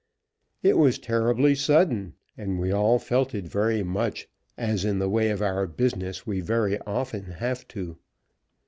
It was terribly sudden, and we all felt it very much; as in the way of our business we very often have to.